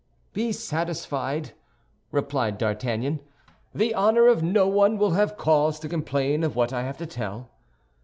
"Be satisfied," replied D'Artagnan; "the honor of no one will have cause to complain of what I have to tell."